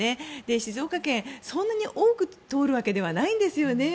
静岡県はそんなに多く通るわけではないんですよね